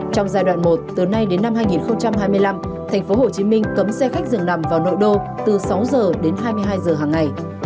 trong giai đoạn một từ nay đến năm hai nghìn hai mươi năm tp hcm cấm xe khách dường nằm vào nội đô từ sáu giờ đến hai mươi hai giờ hàng ngày